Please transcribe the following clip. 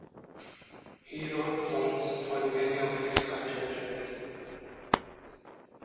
He wrote songs for many of his contemporaries.